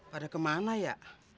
pada kemana ya